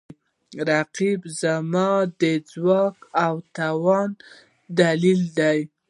رقیب زما د ځواک او توانایي دلیل دی